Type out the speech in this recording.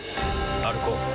歩こう。